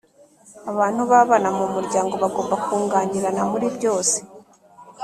Abantu babana mu muryango bagomba kunganirana muri byose